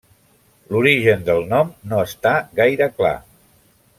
L'origen del nom no està gaire clar.